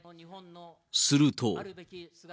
すると。